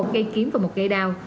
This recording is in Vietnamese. một gậy kiếm và một gậy đao